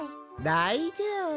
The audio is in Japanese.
だいじょうぶ。